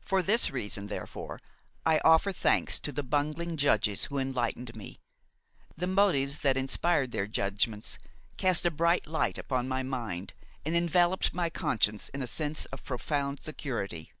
For this reason therefore I offer thanks to the bungling judges who enlightened me. The motives that inspired their judgments cast a bright light upon my mind and enveloped my conscience in a sense of profound security.